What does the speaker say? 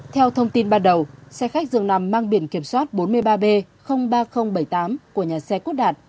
theo thông tin ban đầu xe khách dường nằm mang biển kiểm soát bốn mươi ba b ba nghìn bảy mươi tám của nhà xe quốc đạt